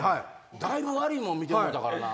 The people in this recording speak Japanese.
だいぶ悪いもん見てもうたからな。